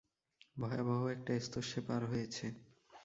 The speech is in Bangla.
ভয়াবহ একটা স্তর সে পার হয়েছে।